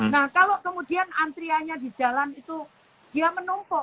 nah kalau kemudian antriannya di jalan itu dia menumpuk